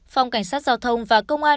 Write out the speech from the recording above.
phòng cảnh sát giao thông và công an